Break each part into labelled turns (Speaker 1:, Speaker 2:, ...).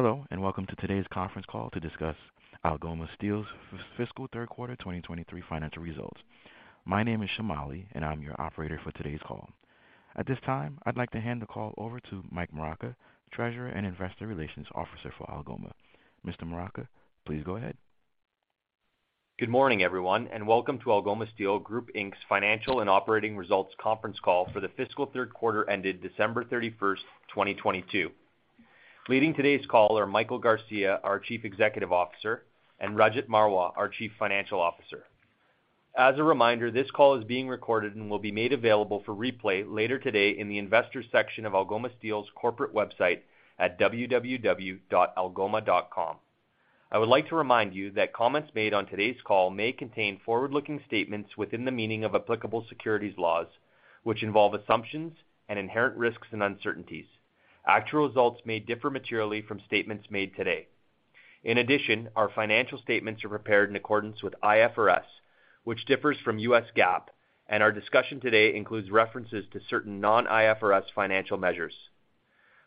Speaker 1: Hello, welcome to today's Conference Call to discuss Algoma Steel's fiscal third quarter 2023 financial results. My name is Shamali, I'm your operator for today's call. At this time, I'd like to hand the call over to Michael Moraca, Treasurer and Investor Relations Officer for Algoma. Mr. Moraca, please go ahead.
Speaker 2: Good morning, everyone, and welcome to Algoma Steel Group Inc.'s Financial and Operating Results Conference Call for the fiscal third quarter ended 31st December 2022. Leading today's call are Michael Garcia, our Chief Executive Officer, and Rajat Marwah, our Chief Financial Officer. As a reminder, this call is being recorded and will be made available for replay later today in the Investors section of Algoma's corporate website at www.algoma.com.I would like to remind you that comments made on today's call may contain forward-looking statements within the meaning of applicable securities laws, which involve assumptions and inherent risks and uncertainties. Actual results may differ materially from statements made today. In addition, our financial statements are prepared in accordance with IFRS, which differs from US GAAP, and our discussion today includes references to certain non-IFRS financial measures.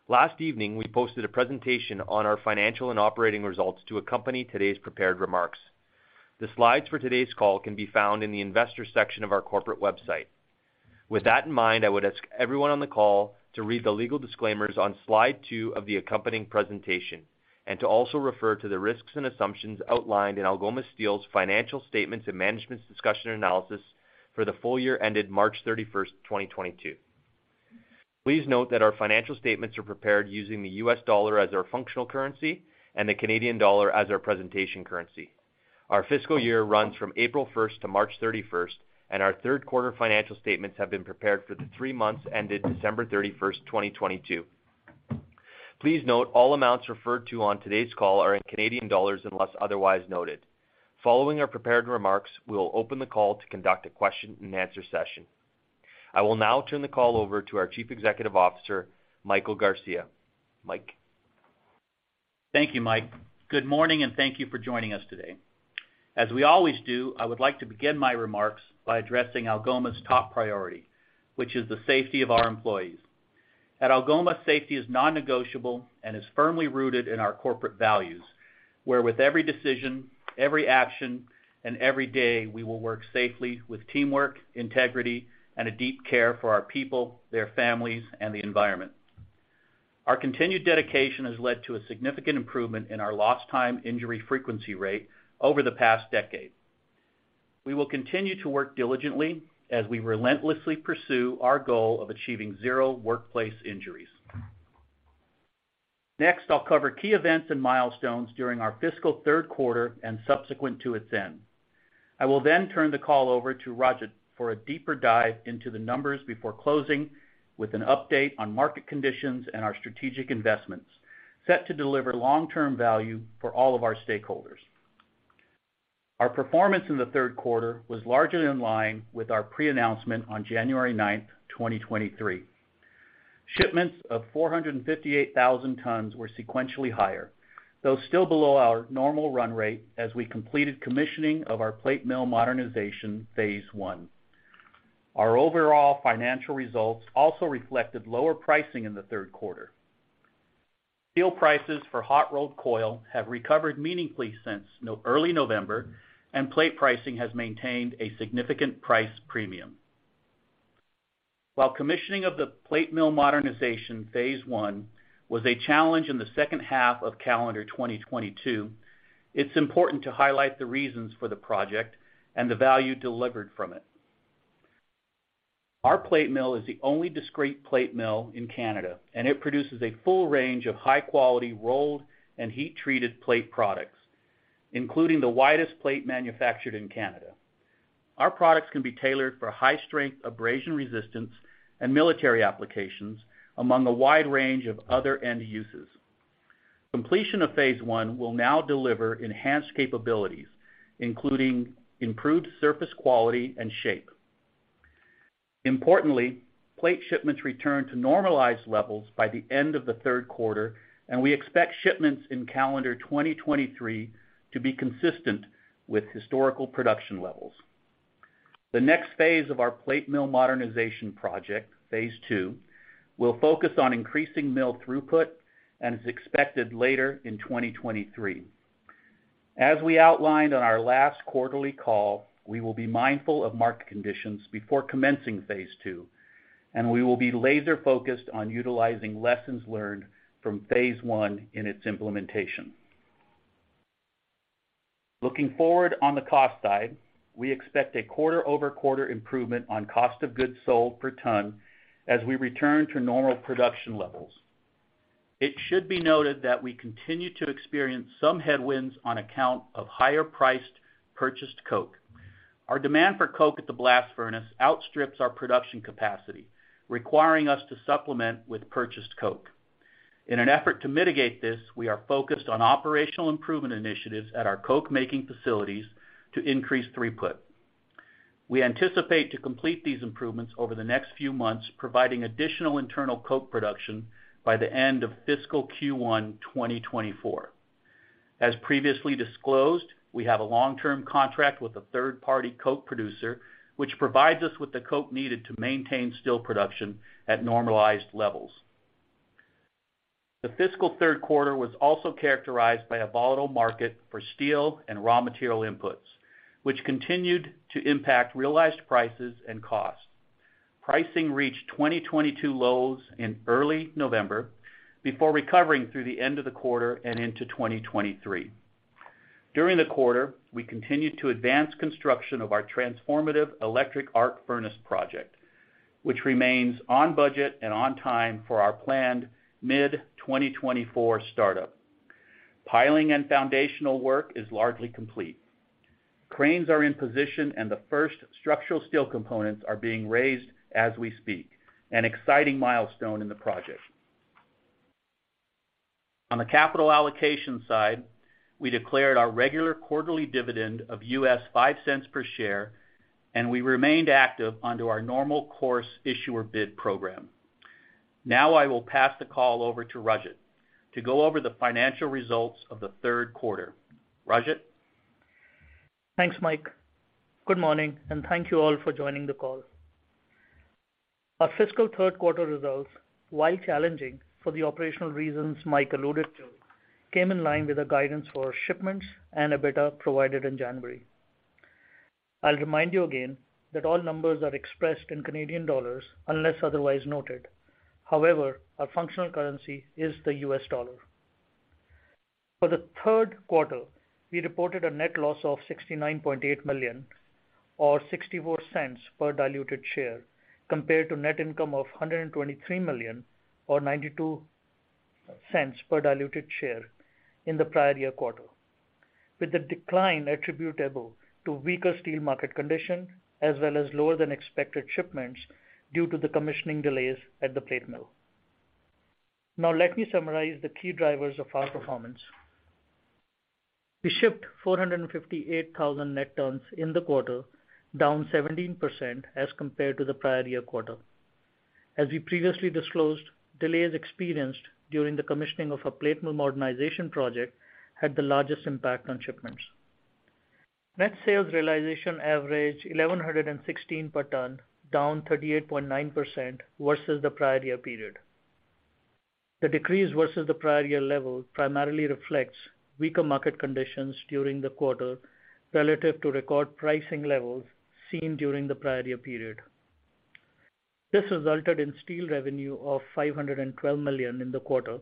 Speaker 2: Last evening, we posted a presentation on our financial and operating results to accompany today's prepared remarks. The slides for today's call can be found in the Investors section of our corporate website. With that in mind, I would ask everyone on the call to read the legal disclaimers on slide two of the accompanying presentation and to also refer to the risks and assumptions outlined in Algoma Steel's financial statements and management's discussion and analysis for the full year ended 31st March 2022. Please note that our financial statements are prepared using the U.S. dollar as our functional currency and the Canadian dollar as our presentation currency. Our fiscal year runs from 1st April to 31st March , and our 3rd quarter financial statements have been prepared for the three months ended 31st December 2022. Please note all amounts referred to on today's call are in Canadian dollars, unless otherwise noted. Following our prepared remarks, we will open the call to conduct a question-and-answer session. I will now turn the call over to our Chief Executive Officer, Michael Garcia. Mike?
Speaker 3: Thank you, Mike. Good morning, thank you for joining us today. As we always do, I would like to begin my remarks by addressing Algoma's top priority, which is the safety of our employees. At Algoma, safety is non-negotiable and is firmly rooted in our corporate values, where with every decision, every action, and every day, we will work safely with teamwork, integrity, and a deep care for our people, their families, and the environment. Our continued dedication has led to a significant improvement in our lost time injury frequency rate over the past decade. We will continue to work diligently as we relentlessly pursue our goal of achieving zero workplace injuries. Next, I'll cover key events and milestones during our fiscal third quarter and subsequent to its end. I will turn the call over to Rajat for a deeper dive into the numbers before closing with an update on market conditions and our strategic investments set to deliver long-term value for all of our stakeholders. Our performance in the third quarter was largely in line with our pre-announcement on January 9th, 2023. Shipments of 458,000 tons were sequentially higher, though still below our normal run rate as we completed commissioning of our plate mill modernization Phase 1. Our overall financial results also reflected lower pricing in the third quarter. Steel prices for hot-rolled coil have recovered meaningfully since early November, and plate pricing has maintained a significant price premium. While commissioning of the plate mill modernization phase one was a challenge in the second half of calendar 2022, it's important to highlight the reasons for the project and the value delivered from it. Our plate mill is the only discrete plate mill in Canada. It produces a full range of high-quality rolled and heat-treated plate products, including the widest plate manufactured in Canada. Our products can be tailored for high strength, abrasion resistance, and military applications among a wide range of other end uses. Completion of phase one will now deliver enhanced capabilities, including improved surface quality and shape. Importantly, plate shipments return to normalized levels by the end of the third quarter. We expect shipments in calendar 2023 to be consistent with historical production levels. The next phase of our plate mill modernization project, phase two, will focus on increasing mill throughput and is expected later in 2023. As we outlined on our last quarterly call, we will be mindful of market conditions before commencing phase two, and we will be laser-focused on utilizing lessons learned from phase one in its implementation. Looking forward on the cost side, we expect a quarter-over-quarter improvement on cost of goods sold per ton as we return to normal production levels. It should be noted that we continue to experience some headwinds on account of higher-priced purchased coke. Our demand for coke at the blast furnace outstrips our production capacity, requiring us to supplement with purchased coke. In an effort to mitigate this, we are focused on operational improvement initiatives at our coke-making facilities to increase throughput. We anticipate to complete these improvements over the next few months, providing additional internal coke production by the end of fiscal Q1, 2024. As previously disclosed, we have a long-term contract with a third-party coke producer, which provides us with the coke needed to maintain steel production at normalized levels. The fiscal third quarter was also characterized by a volatile market for steel and raw material inputs, which continued to impact realized prices and costs. Pricing reached 2022 lows in early November before recovering through the end of the quarter and into 2023. During the quarter, we continued to advance construction of our transformative electric arc furnace project, which remains on budget and on time for our planned mid-2024 startup. Piling and foundational work is largely complete. Cranes are in position, and the first structural steel components are being raised as we speak, an exciting milestone in the project. On the capital allocation side, we declared our regular quarterly dividend of $0.05 per share, and we remained active under our normal course issuer bid program. Now I will pass the call over to Rajat to go over the financial results of the third quarter. Rajat?
Speaker 4: Thanks, Mike. Good morning. Thank you all for joining the call. Our fiscal third quarter results, while challenging for the operational reasons Mike alluded to, came in line with the guidance for shipments and EBITDA provided in January. I'll remind you again that all numbers are expressed in Canadian dollars unless otherwise noted. Our functional currency is the U.S. dollar. For the third quarter, we reported a net loss of 69.8 million or 0.64 per diluted share, compared to net income of 123 million or 0.92 per diluted share in the prior year quarter, with the decline attributable to weaker steel market condition as well as lower than expected shipments due to the commissioning delays at the plate mill. Let me summarize the key drivers of our performance. We shipped 458,000 net tons in the quarter, down 17 as compared to the prior year quarter. As we previously disclosed, delays experienced during the commissioning of a plate mill modernization project had the largest impact on shipments. Net sales realization averaged 1,116 per ton, down 38.9% versus the prior year period. The decrease versus the prior year level primarily reflects weaker market conditions during the quarter relative to record pricing levels seen during the prior year period. This resulted in steel revenue of 512 million in the quarter,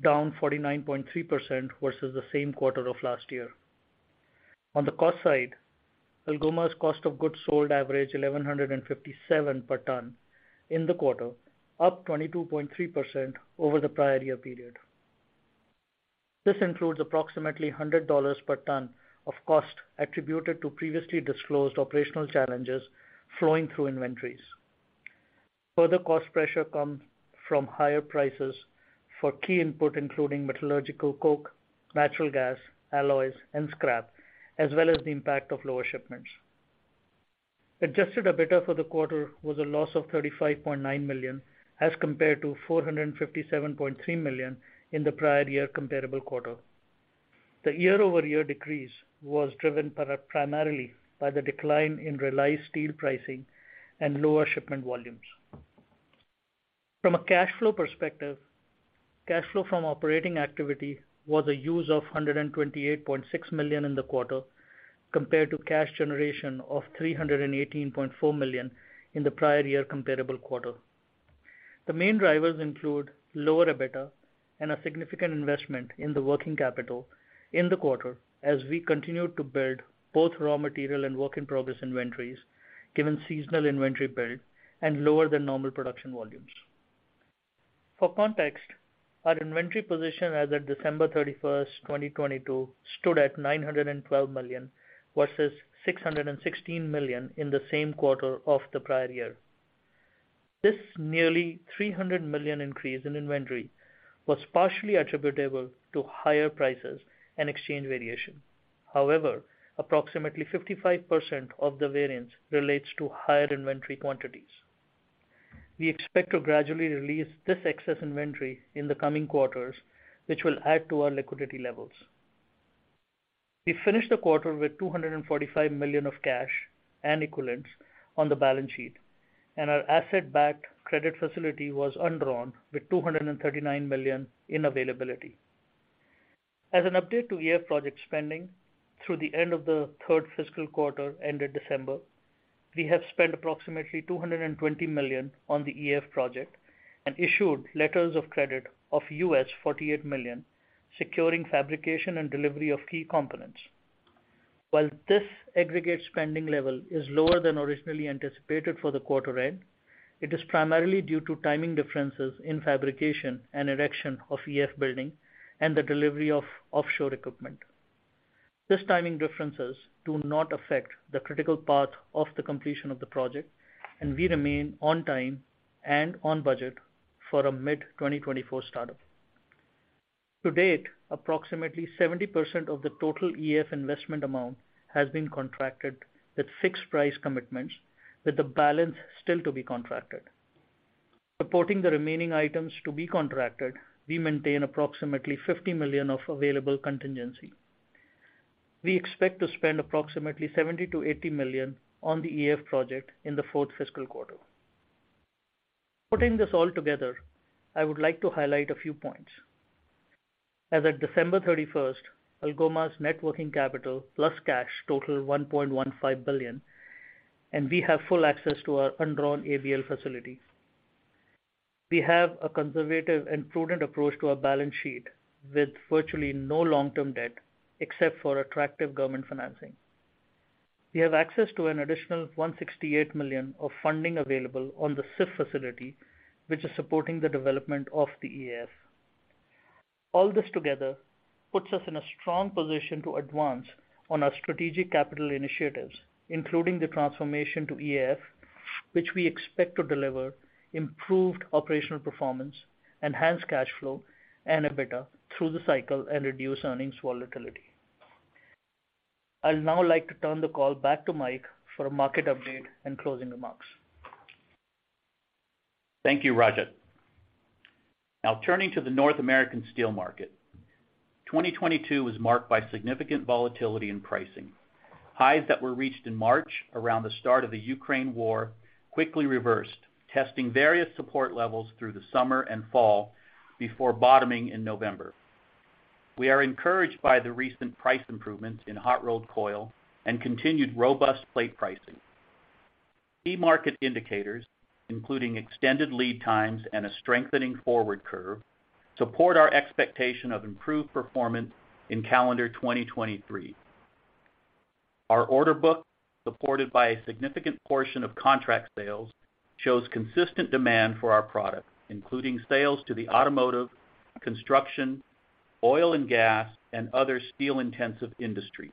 Speaker 4: down 49.3% versus the same quarter of last year. On the cost side, Algoma's cost of goods sold averaged 1,157 per ton in the quarter, up 22.3% over the prior year period. This includes approximately 100 dollars per ton of cost attributed to previously disclosed operational challenges flowing through inventories. Further cost pressure comes from higher prices for key input, including metallurgical coke, natural gas, alloys, and scrap, as well as the impact of lower shipments. Adjusted EBITDA for the quarter was a loss of 35.9 million, as compared to 457.3 million in the prior year comparable quarter. The year-over-year decrease was driven primarily by the decline in realized steel pricing and lower shipment volumes. From a cash flow perspective, cash flow from operating activity was a use of 128.6 million in the quarter, compared to cash generation of 318.4 million in the prior year comparable quarter. The main drivers include lower EBITDA and a significant investment in the working capital in the quarter as we continued to build both raw material and work-in-progress inventories, given seasonal inventory build and lower than normal production volumes. For context, our inventory position as of 31st December 2022, stood at $912 million versus $616 million in the same quarter of the prior year. This nearly $300 million increase in inventory was partially attributable to higher prices and exchange variation. However, approximately 55% of the variance relates to higher inventory quantities. We expect to gradually release this excess inventory in the coming quarters, which will add to our liquidity levels. We finished the quarter with 245 million of cash and equivalents on the balance sheet. Our asset-backed credit facility was undrawn with 239 million in availability. As an update to EAF project spending, through the end of the third fiscal quarter ended December, we have spent approximately 220 million on the EAF project and issued letters of credit of U.S. 48 million, securing fabrication and delivery of key components. While this aggregate spending level is lower than originally anticipated for the quarter end, it is primarily due to timing differences in fabrication and erection of EAF building and the delivery of offshore equipment. These timing differences do not affect the critical path of the completion of the project. We remain on time and on budget for a mid-2024 startup. To date, approximately 70% of the total EAF investment amount has been contracted with fixed price commitments with the balance still to be contracted. Supporting the remaining items to be contracted, we maintain approximately 50 million of available contingency. We expect to spend approximately 70 million-80 million on the EAF project in the fourth fiscal quarter. Putting this all together, I would like to highlight a few points. As of 31st December, Algoma's net working capital plus cash total 1.15 billion, and we have full access to our undrawn ABL facility. We have a conservative and prudent approach to our balance sheet, with virtually no long-term debt except for attractive government financing. We have access to an additional 168 million of funding available on the SIF facility, which is supporting the development of the EAF. All this together puts us in a strong position to advance on our strategic capital initiatives, including the transformation to EAF, which we expect to deliver improved operational performance, enhanced cash flow and EBITDA through the cycle and reduce earnings volatility. I'll now like to turn the call back to Mike for a market update and closing remarks.
Speaker 3: Thank you, Rajat. Now turning to the North American steel market. 2022 was marked by significant volatility in pricing. Highs that were reached in March around the start of the Ukraine War quickly reversed, testing various support levels through the summer and fall before bottoming in November. We are encouraged by the recent price improvements in hot-rolled coil and continued robust plate pricing. Key market indicators, including extended lead times and a strengthening forward curve, support our expectation of improved performance in calendar 2023. Our order book, supported by a significant portion of contract sales, shows consistent demand for our products, including sales to the automotive, construction, oil and gas, and other steel-intensive industries.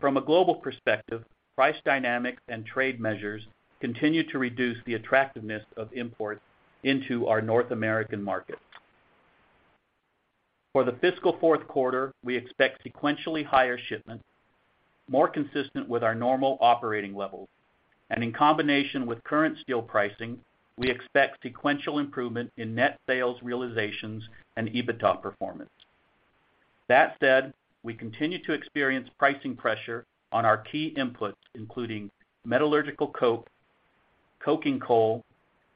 Speaker 3: From a global perspective, price dynamics and trade measures continue to reduce the attractiveness of imports into our North American market. For the fiscal fourth quarter, we expect sequentially higher shipments, more consistent with our normal operating levels. In combination with current steel pricing, we expect sequential improvement in net sales realizations and EBITDA performance. That said, we continue to experience pricing pressure on our key inputs, including metallurgical coke, coking coal,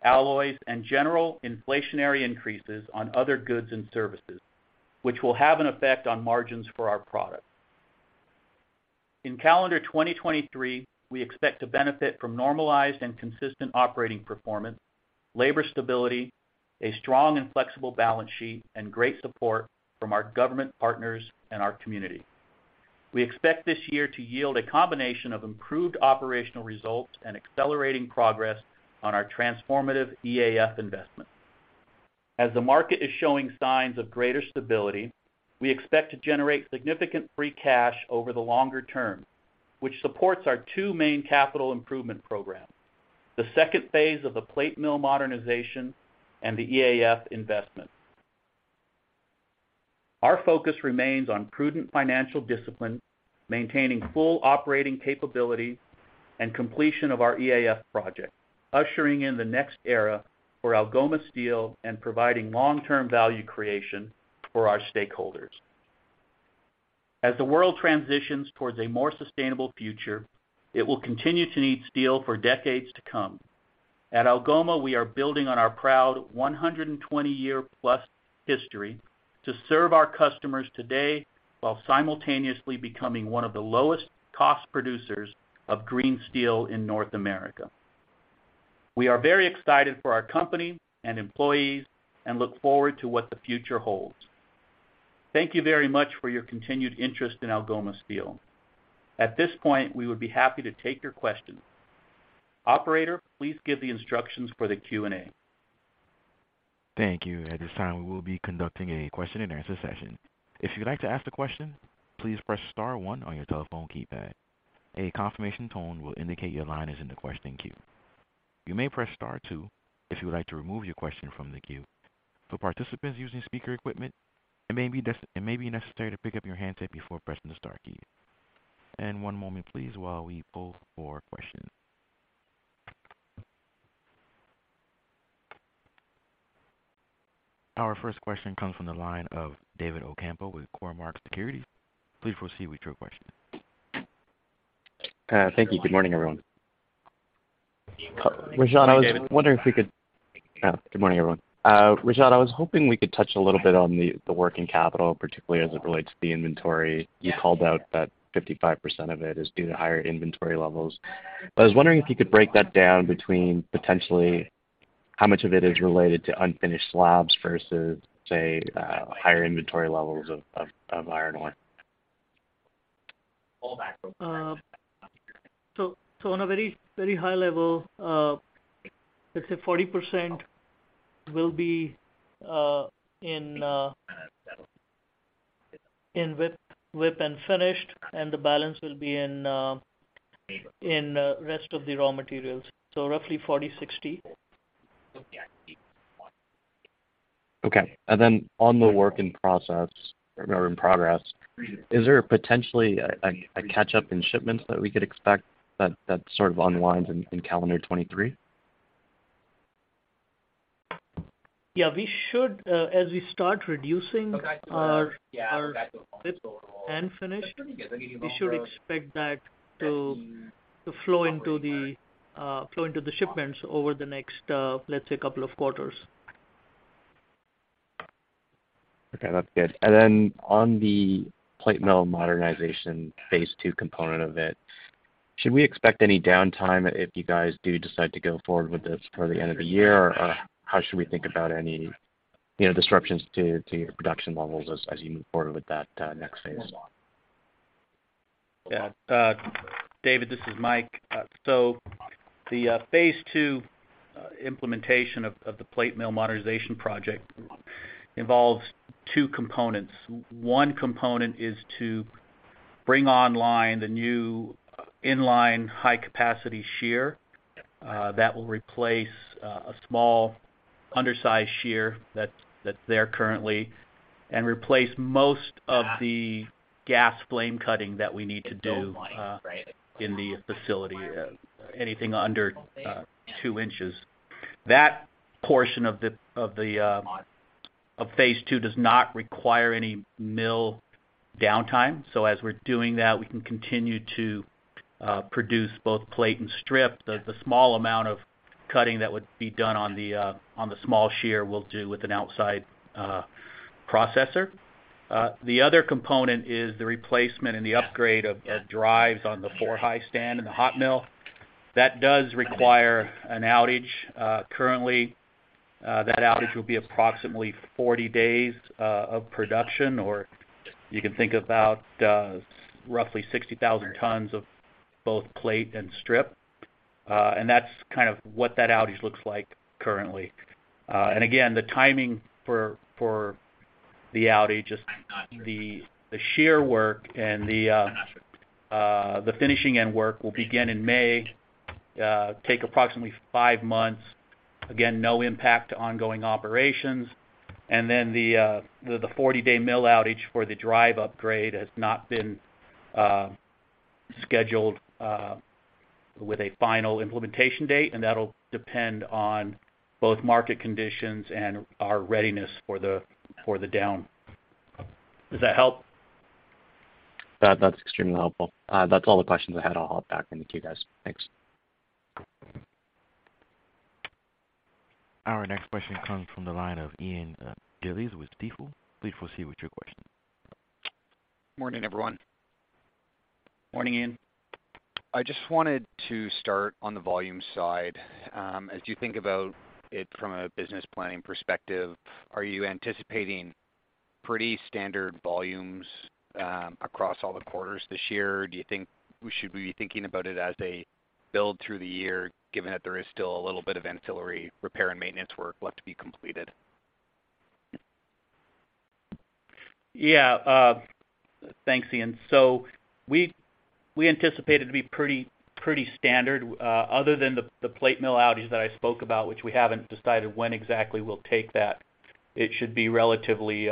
Speaker 3: alloys, and general inflationary increases on other goods and services, which will have an effect on margins for our products. In calendar 2023, we expect to benefit from normalized and consistent operating performance, labor stability, a strong and flexible balance sheet, and great support from our government partners and our community. We expect this year to yield a combination of improved operational results and accelerating progress on our transformative EAF investment. As the market is showing signs of greater stability, we expect to generate significant free cash over the longer term, which supports our two main capital improvement programs, the second phase of the plate mill modernization and the EAF investment. Our focus remains on prudent financial discipline, maintaining full operating capability and completion of our EAF project, ushering in the next era for Algoma Steel and providing long-term value creation for our stakeholders. As the world transitions towards a more sustainable future, it will continue to need steel for decades to come. At Algoma, we are building on our proud 120-year-plus history to serve our customers today while simultaneously becoming one of the lowest cost producers of green steel in North America. We are very excited for our company and employees and look forward to what the future holds. Thank you very much for your continued interest in Algoma Steel. At this point, we would be happy to take your questions. Operator, please give the instructions for the Q&A.
Speaker 1: Thank you. At this time, we will be conducting a question-and-answer session. If you'd like to ask a question, please press star one on your telephone keypad. A confirmation tone will indicate your line is in the question queue. You may press star two if you would like to remove your question from the queue. For participants using speaker equipment, it may be necessary to pick up your handset before pressing the star key. One moment, please, while we poll for questions. Our first question comes from the line of David Ocampo with Cormark Securities. Please proceed with your question.
Speaker 5: Thank you. Good morning, everyone.
Speaker 4: Good morning.
Speaker 5: Rajat. Oh, good morning, everyone. Rajat, I was hoping we could touch a little bit on the working capital, particularly as it relates to the inventory. You called out that 55% of it is due to higher inventory levels. I was wondering if you could break that down between potentially how much of it is related to unfinished slabs versus, say, higher inventory levels of iron ore.
Speaker 4: On a very, very high level, let's say 40% will be in WIP and finished, and the balance will be in rest of the raw materials. Roughly 40-60.
Speaker 5: Okay. Then on the work in process or in progress, is there potentially a catch up in shipments that we could expect that sort of unwinds in calendar 2023?
Speaker 4: Yeah, we should, as we start reducing our width and finish, we should expect that to flow into the shipments over the next, let's say, couple of quarters.
Speaker 5: Okay, that's good. On the plate mill modernization phase II component of it, should we expect any downtime if you guys do decide to go forward with this toward the end of the year? How should we think about any, you know, disruptions to your production levels as you move forward with that next phase?
Speaker 3: Yeah. David, this is Mike. The phase II implementation of the plate mill modernization project involves two components. One component is to bring online the new inline high capacity shear that will replace a small undersized shear that's there currently, and replace most of the gas flame cutting that we need to do in the facility, anything under 2 inches. That portion of phase II does not require any mill downtime. As we're doing that, we can continue to produce both plate and strip. The small amount of cutting that would be done on the small shear we'll do with an outside processor. The other component is the replacement and the upgrade of drives on the four-high stand in the hot mill. That does require an outage. Currently, that outage will be approximately 40 days of production, or you can think about roughly 60,000 tons of both plate and strip. That's kind of what that outage looks like currently. Again, the timing for the outage is the shear work and the finishing end work will begin in May, take approximately five months. Again, no impact to ongoing operations. The 40-day mill outage for the drive upgrade has not been scheduled with a final implementation date, and that'll depend on both market conditions and our readiness for the, for the down. Does that help?
Speaker 5: That's extremely helpful. That's all the questions I had. I'll hop back in the queue, guys. Thanks.
Speaker 1: Our next question comes from the line of Ian Gillies with BMO. Please proceed with your question.
Speaker 6: Morning, everyone.
Speaker 3: Morning, Ian.
Speaker 6: I just wanted to start on the volume side. As you think about it from a business planning perspective, are you anticipating pretty standard volumes, across all the quarters this year? Do you think we should be thinking about it as a build through the year, given that there is still a little bit of ancillary repair and maintenance work left to be completed?
Speaker 3: Yeah. Thanks, Ian. We, we anticipate it to be pretty standard, other than the plate mill outage that I spoke about, which we haven't decided when exactly we'll take that. It should be relatively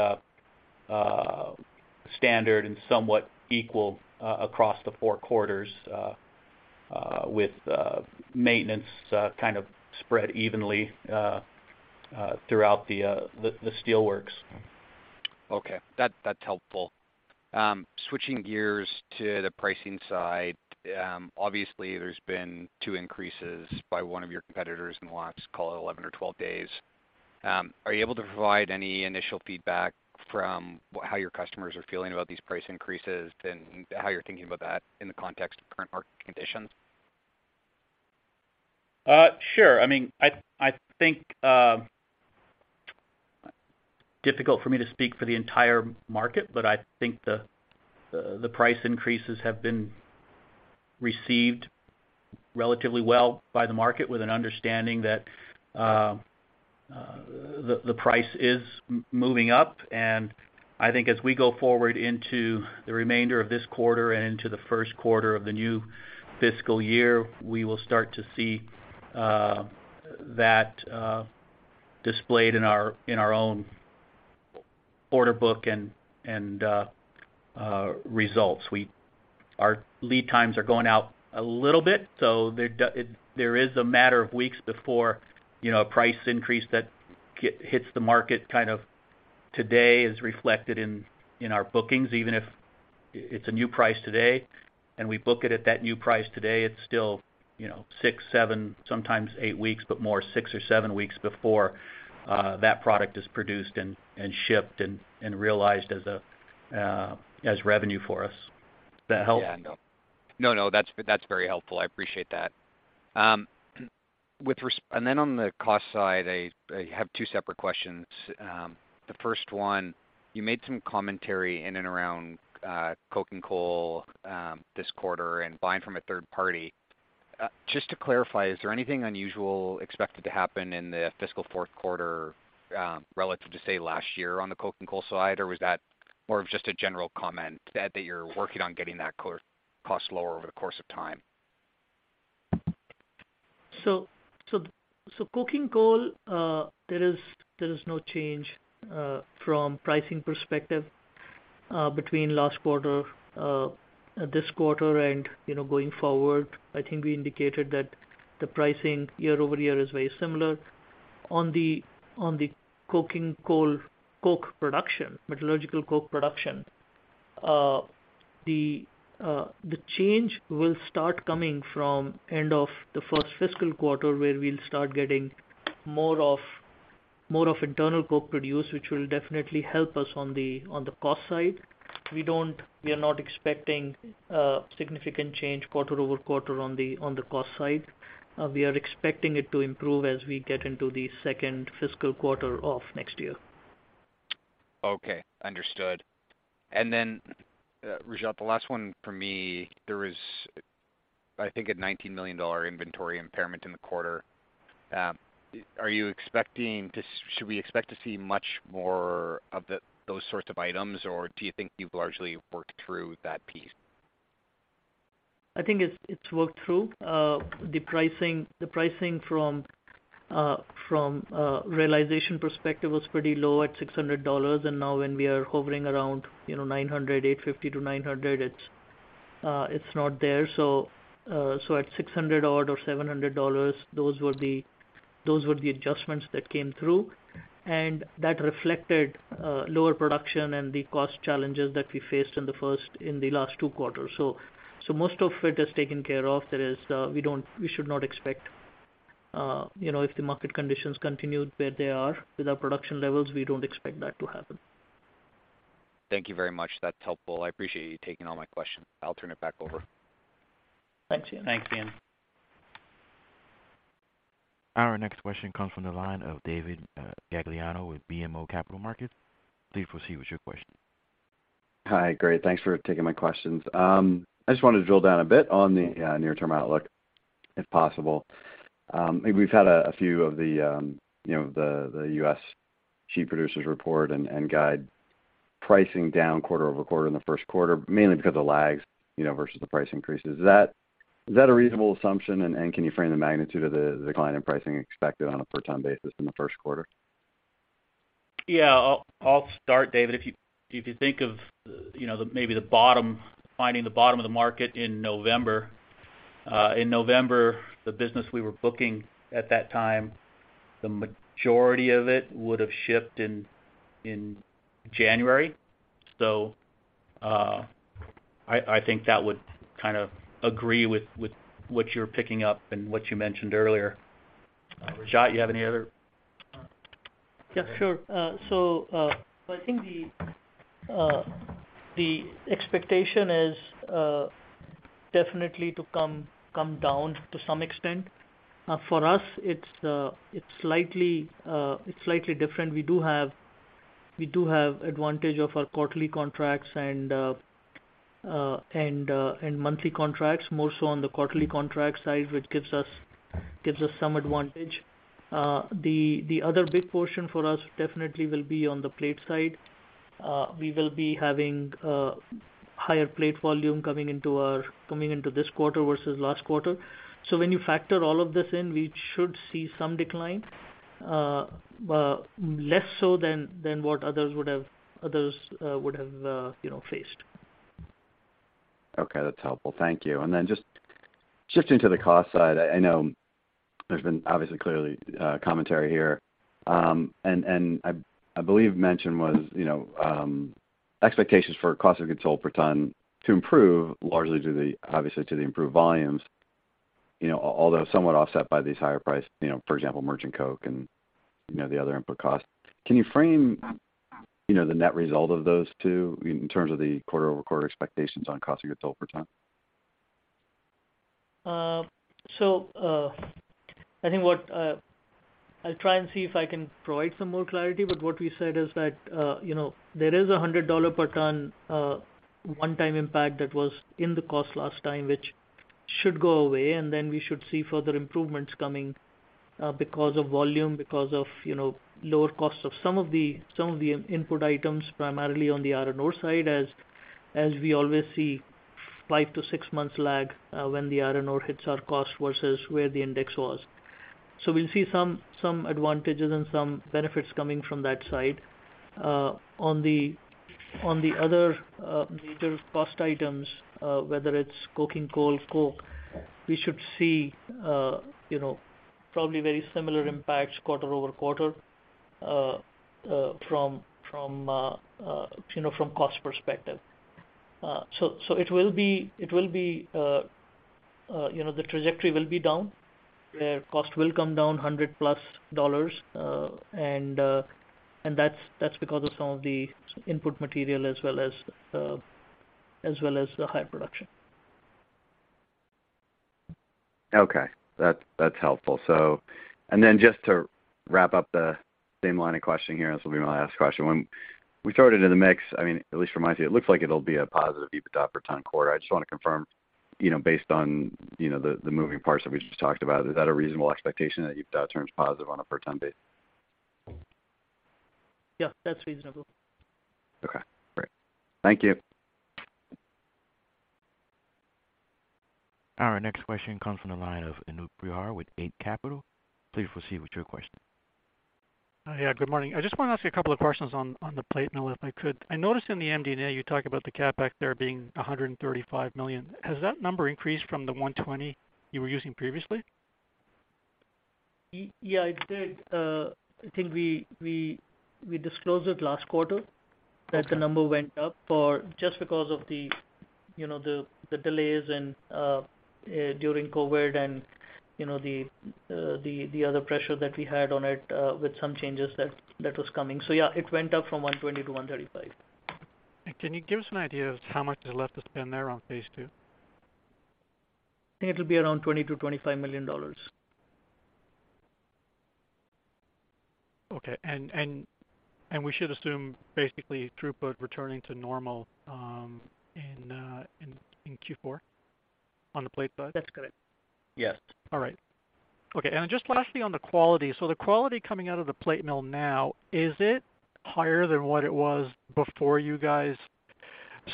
Speaker 3: standard and somewhat equal across the four quarters with maintenance kind of spread evenly throughout the steel works.
Speaker 6: Okay. That's helpful. Switching gears to the pricing side. Obviously there's been two increases by one of your competitors in the last, call it 11 or 12 days. Are you able to provide any initial feedback from how your customers are feeling about these price increases and how you're thinking about that in the context of current market conditions?
Speaker 3: Sure. I mean, I think, difficult for me to speak for the entire market, but I think the price increases have been received relatively well by the market with an understanding that the price is moving up. I think as we go forward into the remainder of this quarter and into the first quarter of the new fiscal year, we will start to see that displayed in our own order book and results. Our lead times are going out a little bit, so there is a matter of weeks before, you know, a price increase that hits the market kind of today is reflected in our bookings. Even if it's a new price today, and we book it at that new price today, it's still, you know, six, seven, sometimes eight weeks, but more six or seven weeks before, that product is produced and shipped and realized as a, as revenue for us. Does that help?
Speaker 6: Yeah. No, no, that's very helpful. I appreciate that. Then on the cost side, I have two separate questions. The first one, you made some commentary in and around coking coal this quarter and buying from a third party. Just to clarify, is there anything unusual expected to happen in the fiscal fourth quarter relative to, say, last year on the coking coal side? Was that more of just a general comment that you're working on getting that cost lower over the course of time?
Speaker 4: Coking coal, there is no change from pricing perspective between last quarter, this quarter and, you know, going forward. I think we indicated that the pricing year-over-year is very similar. On the coking coal coke production, metallurgical coke production, the change will start coming from end of the first fiscal quarter, where we'll start getting more of internal coke produced, which will definitely help us on the cost side. We are not expecting a significant change quarter-over-quarter on the cost side. We are expecting it to improve as we get into the second fiscal quarter of next year.
Speaker 6: Okay. Understood. Then, Rajat, the last one for me. There was, I think, a 19 million dollar inventory impairment in the quarter. Should we expect to see much more of those sorts of items, or do you think you've largely worked through that piece?
Speaker 4: I think it's worked through. The pricing from realization perspective was pretty low at $600, and now when we are hovering around, you know, $900, $850-$900, it's not there. At $600 odd or $700, those were the adjustments that came through. That reflected lower production and the cost challenges that we faced in the last two quarters. Most of it is taken care of. There is, we should not expect, you know, if the market conditions continued where they are with our production levels, we don't expect that to happen.
Speaker 6: Thank you very much. That's helpful. I appreciate you taking all my questions. I'll turn it back over.
Speaker 4: Thanks, Ian.
Speaker 1: Thanks, Ian. Our next question comes from the line of David Gagliano with BMO Capital Markets. Please proceed with your question.
Speaker 7: Hi. Great. Thanks for taking my questions. I just wanted to drill down a bit on the near-term outlook if possible. I think we've had a few of the, you know, the U.S. sheet producers report and guide pricing down quarter-over-quarter in the first quarter, mainly because of the lags, you know, versus the price increases. Is that, is that a reasonable assumption? Can you frame the magnitude of the decline in pricing expected on a per ton basis in the first quarter?
Speaker 3: Yeah. I'll start, David. If you think of, you know, the maybe the bottom finding the bottom of the market in November. In November, the business we were booking at that time, the majority of it would have shipped in January. I think that would kind of agree with what you're picking up and what you mentioned earlier. Rajat, you have any other.
Speaker 4: Yeah, sure. I think the expectation is definitely to come down to some extent. For us, it's slightly different. We do have advantage of our quarterly contracts and monthly contracts, more so on the quarterly contract side, which gives us some advantage. The other big portion for us definitely will be on the plate side. We will be having higher plate volume coming into this quarter versus last quarter. When you factor all of this in, we should see some decline, but less so than what others would have, you know, faced.
Speaker 7: Okay. That's helpful. Thank you. Then just shifting to the cost side. I know there's been obviously clearly commentary here. I believe mention was, you know, expectations for cost of goods sold per ton to improve largely obviously to the improved volumes, you know, although somewhat offset by these higher price, you know, for example, merchant coke and, you know, the other input costs. Can you frame, you know, the net result of those two in terms of the quarter-over-quarter expectations on cost of goods sold per ton?
Speaker 4: I think what I'll try and see if I can provide some more clarity, but what we said is that, you know, there is a $100 per ton one-time impact that was in the cost last time, which should go away, and then we should see further improvements coming because of volume, because of, you know, lower costs of some of the, some of the input items, primarily on the iron ore side as we always see 5-6 months lag when the iron ore hits our cost versus where the index was. We'll see some advantages and some benefits coming from that side. On the other major cost items, whether it's coking coal, coke, we should see, you know, probably very similar impacts quarter-over-quarter from, you know, from cost perspective. It will be, you know, the trajectory will be down, where cost will come down 100+ dollars. That's because of some of the input material as well as the high production.
Speaker 7: Okay. That's helpful. Then just to wrap up the same line of questioning here, this will be my last question. When we throw it into the mix, I mean, at least for my team, it looks like it'll be a positive EBITDA per ton quarter. I just want to confirm, you know, based on, you know, the moving parts that we just talked about, is that a reasonable expectation that EBITDA turns positive on a per ton base?
Speaker 4: Yeah, that's reasonable.
Speaker 7: Okay. Great. Thank you.
Speaker 1: Our next question comes from the line of Anoop Prihar with Eight Capital. Please proceed with your question.
Speaker 8: Yeah, good morning. I just want to ask you a couple of questions on the plate mill, if I could. I noticed in the MD&A you talked about the CapEx there being 135 million. Has that number increased from the 120 you were using previously?
Speaker 4: Yeah, it did. I think we disclosed it last quarter.
Speaker 8: Okay.
Speaker 4: that the number went up for just because of the, you know, the delays and during COVID and, you know, the other pressure that we had on it, with some changes that was coming. Yeah, it went up from 120 to 135.
Speaker 8: Can you give us an idea of how much is left to spend there on phase two?
Speaker 4: I think it'll be around 20 million-25 million dollars.
Speaker 8: Okay. We should assume basically throughput returning to normal, in Q4 on the plate side?
Speaker 4: That's correct.
Speaker 3: Yes.
Speaker 8: All right. Okay. Just lastly on the quality. The quality coming out of the plate mill now, is it higher than what it was before you guys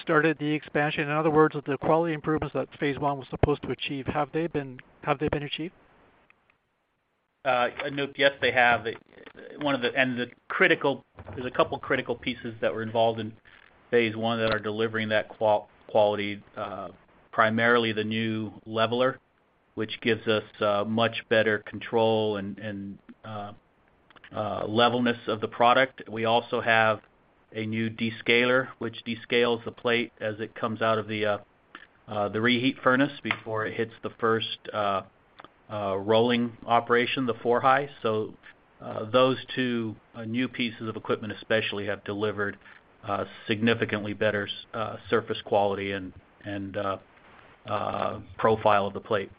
Speaker 8: started the expansion? In other words, the quality improvements that phase one was supposed to achieve, have they been achieved?
Speaker 3: Anoop, yes, they have. One of the critical, there's a couple critical pieces that were involved in phase one that are delivering that quality, primarily the new leveler, which gives us much better control and levelness of the product. We also have a new descaler, which descales the plate as it comes out of the reheat furnace before it hits the first rolling operation, the four-high. Those two new pieces of equipment especially have delivered significantly better surface quality and profile of the plate.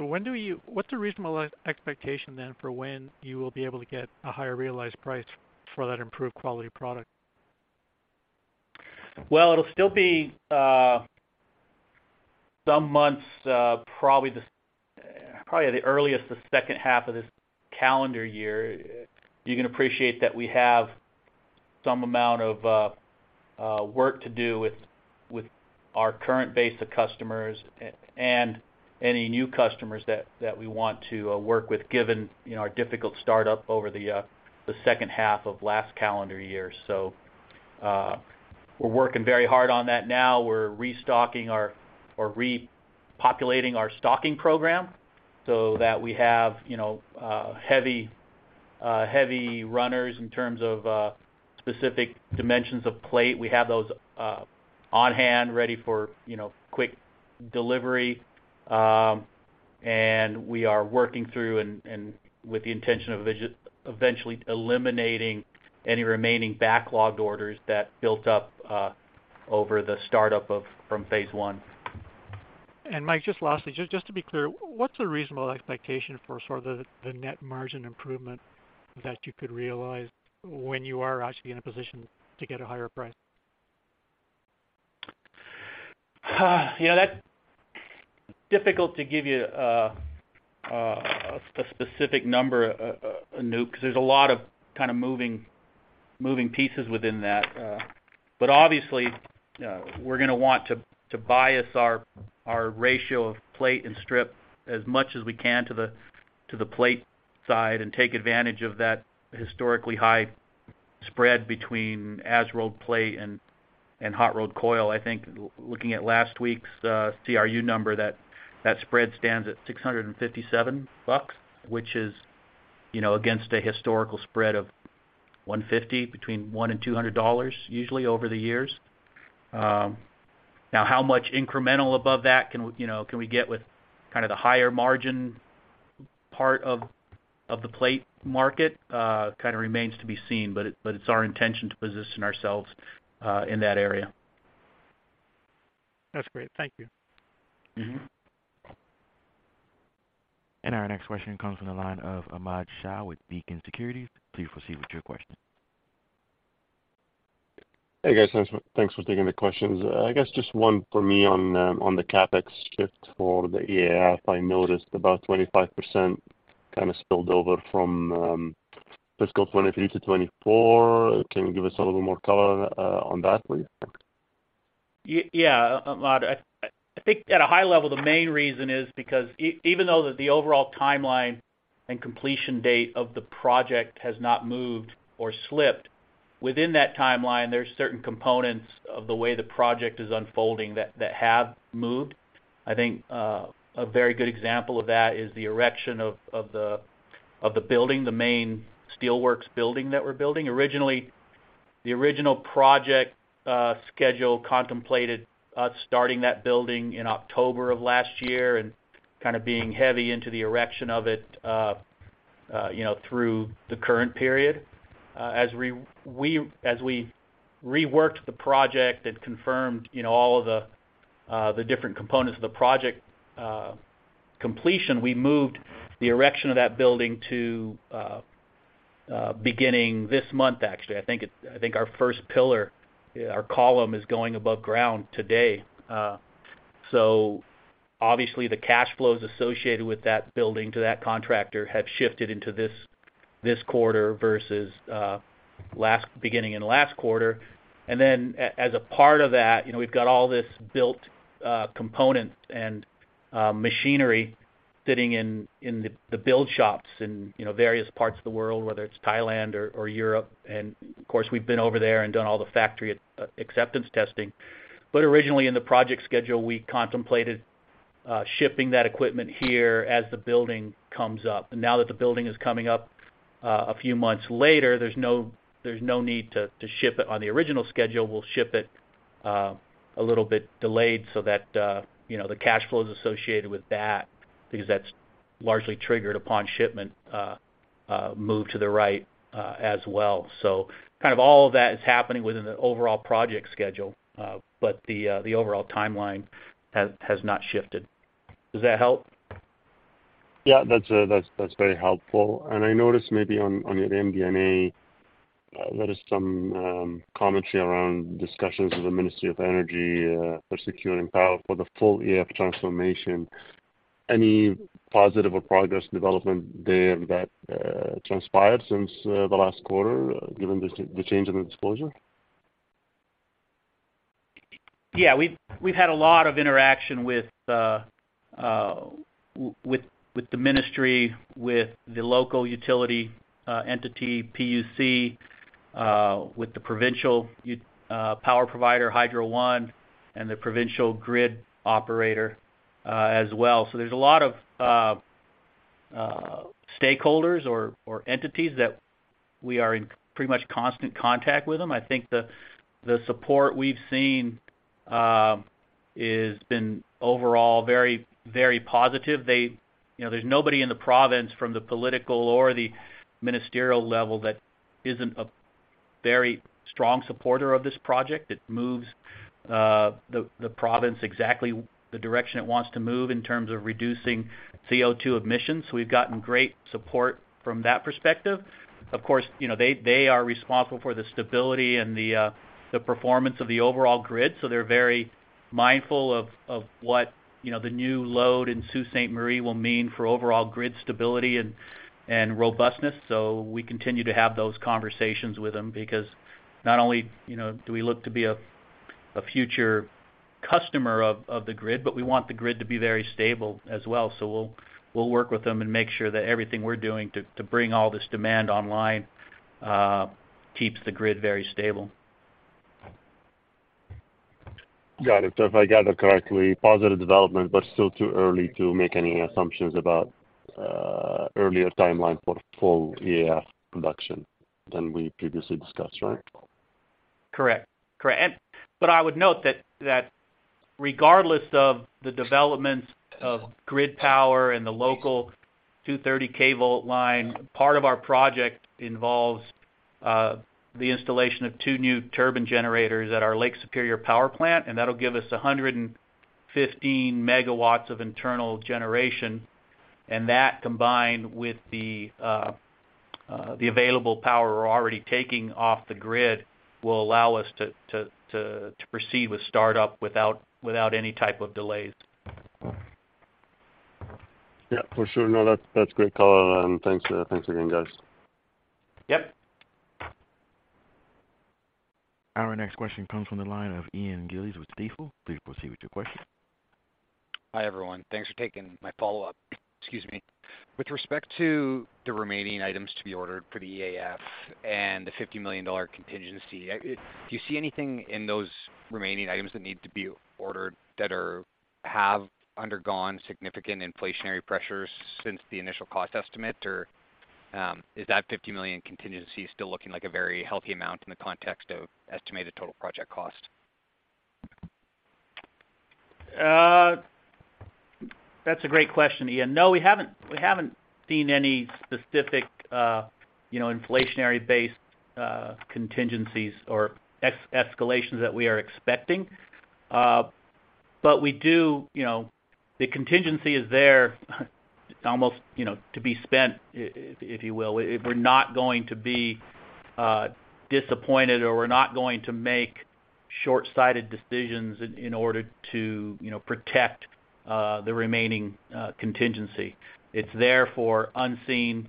Speaker 8: What's a reasonable expectation then for when you will be able to get a higher realized price for that improved quality product?
Speaker 3: Well, it'll still be some months, probably the earliest the second half of this calendar year. You can appreciate that we have some amount of work to do with our current base of customers and any new customers that we want to work with given, you know, our difficult startup over the second half of last calendar year. We're working very hard on that now. We're restocking our, or repopulating our stocking program so that we have, you know, heavy runners in terms of specific dimensions of plate. We have those on hand ready for, you know, quick delivery. We are working through and with the intention of vige- eventually eliminating any remaining backlogged orders that built up over the startup of, from phase I.
Speaker 8: Mike, just lastly, just to be clear, what's a reasonable expectation for sort of the net margin improvement that you could realize when you are actually in a position to get a higher price?
Speaker 3: Yeah, that's difficult to give you a specific number, Anoop Prihar, 'cause there's a lot of kind of moving pieces within that. But obviously, we're gonna want to bias our ratio of plate and strip as much as we can to the plate side and take advantage of that historically high spread between as-rolled plate and hot-rolled coil. I think looking at last week's CRU number, that spread stands at $657, which is, you know, against a historical spread of $150, between $100 and $200 usually over the years. Now how much incremental above that can, you know, can we get with kind of the higher margin part of the plate market, kind of remains to be seen, but it's our intention to position ourselves, in that area.
Speaker 8: That's great. Thank you.
Speaker 3: Mm-hmm.
Speaker 1: Our next question comes from the line of Ahmad Shaath with Beacon Securities. Please proceed with your question.
Speaker 9: Hey, guys. Thanks for taking the questions. I guess just one for me on the CapEx shift for the EAF. I noticed about 25% kind of spilled over from fiscal 2023 to 2024. Can you give us a little more color on that, please? Thanks.
Speaker 3: Yeah, Ahmad. I think at a high level, the main reason is because even though the overall timeline and completion date of the project has not moved or slipped, within that timeline, there's certain components of the way the project is unfolding that have moved. I think a very good example of that is the erection of the building, the main steel works building that we're building. Originally, the original project schedule contemplated us starting that building in October of last year and kind of being heavy into the erection of it, you know, through the current period. As we reworked the project and confirmed, you know, all of the different components of the project completion, we moved the erection of that building to beginning this month, actually. I think our first pillar, our column is going above ground today. Obviously, the cash flows associated with that building to that contractor have shifted into this quarter versus beginning in last quarter. As a part of that, you know, we've got all this built component and machinery sitting in the build shops in, you know, various parts of the world, whether it's Thailand or Europe. Of course, we've been over there and done all the factory acceptance testing. Originally, in the project schedule, we contemplated shipping that equipment here as the building comes up. Now that the building is coming up a few months later, there's no need to ship it on the original schedule. We'll ship it, a little bit delayed so that, you know, the cash flows associated with that, because that's largely triggered upon shipment, move to the right, as well. Kind of all of that is happening within the overall project schedule. The, the overall timeline has not shifted. Does that help?
Speaker 9: Yeah, that's very helpful. I noticed maybe on your MD&A, there is some commentary around discussions with the Ministry of Energy for securing power for the full EAF transformation. Any positive or progress development there that transpired since the last quarter given the change in the disclosure?
Speaker 3: We've had a lot of interaction with the Ministry, with the local utility entity, PUC, with the provincial power provider, Hydro One, and the provincial grid operator as well. There's a lot of stakeholders or entities that we are in pretty much constant contact with them. I think the support we've seen is been overall very, very positive. You know, there's nobody in the province from the political or the ministerial level that isn't a very strong supporter of this project. It moves the province exactly the direction it wants to move in terms of reducing CO2 emissions. We've gotten great support from that perspective. Of course, you know, they are responsible for the stability and the performance of the overall grid, so they're very mindful of what, you know, the new load in Sault Ste. Marie will mean for overall grid stability and robustness. We continue to have those conversations with them because not only, you know, do we look to be a future customer of the grid, but we want the grid to be very stable as well. We'll work with them and make sure that everything we're doing to bring all this demand online, keeps the grid very stable.
Speaker 9: Got it. If I gather correctly, positive development, but still too early to make any assumptions about earlier timeline for full EAF production than we previously discussed, right?
Speaker 3: Correct. Correct. I would note that regardless of the developments of grid power and the local 230 kV line, part of our project involves the installation of two new turbine generators at our Lake Superior Power Plant, and that'll give us 115MW of internal generation. That, combined with the available power we're already taking off the grid, will allow us to proceed with startup without any type of delays.
Speaker 9: Yeah, for sure. No, that's great, Colin, and thanks again, guys.
Speaker 3: Yep.
Speaker 1: Our next question comes from the line of Ian Gillies with Stifel. Please proceed with your question.
Speaker 6: Hi, everyone. Thanks for taking my follow-up. Excuse me. With respect to the remaining items to be ordered for the EAF and the 50 million dollar contingency, do you see anything in those remaining items that need to be ordered that have undergone significant inflationary pressures since the initial cost estimate? Or, is that 50 million contingency still looking like a very healthy amount in the context of estimated total project cost?
Speaker 3: That's a great question, Ian. No, we haven't seen any specific, you know, inflationary-based contingencies or escalations that we are expecting. We do. You know, the contingency is there almost, you know, to be spent, if you will. We're not going to be disappointed, or we're not going to make short-sighted decisions in order to, you know, protect the remaining contingency. It's there for unseen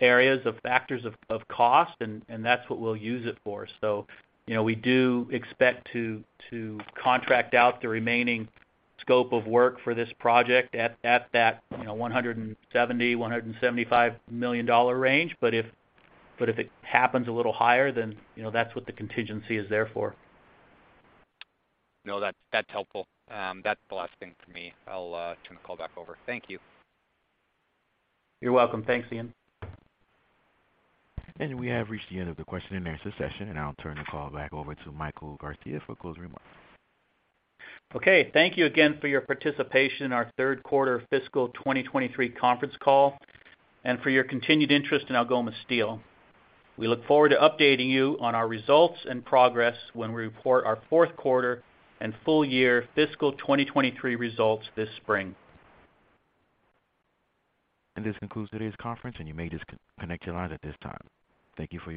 Speaker 3: areas of factors of cost, and that's what we'll use it for. You know, we do expect to contract out the remaining scope of work for this project at that, you know, 170 million-175 million dollar range. If it happens a little higher, then, you know, that's what the contingency is there for.
Speaker 6: No, that's helpful. That's the last thing for me. I'll turn the call back over. Thank you.
Speaker 3: You're welcome. Thanks, Ian.
Speaker 1: We have reached the end of the question-and-answer session, and I'll turn the call back over to Michael Garcia for closing remarks.
Speaker 3: Okay. Thank you again for your participation in our third quarter fiscal 2023 Conference Call and for your continued interest in Algoma Steel. We look forward to updating you on our results and progress when we report our fourth quarter and full year fiscal 2023 results this spring.
Speaker 1: This concludes today's conference, and you may disconnect your lines at this time. Thank you for your participation.